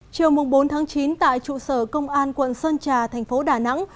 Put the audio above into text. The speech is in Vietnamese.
chiều bốn chín tại trụ sở công an quận sơn trà thành phố đà nẵng